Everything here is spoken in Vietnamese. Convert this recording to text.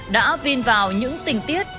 đã vin vào những tình tiết